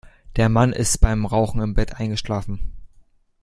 Der Mann ist beim Rauchen im Bett eingeschlafen.